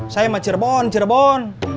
saya mah cirebon cirebon